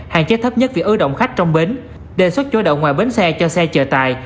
hạn chế thấp nhất vì ưu động khách trong bến đề xuất chỗ đậu ngoài bến xe cho xe chở tài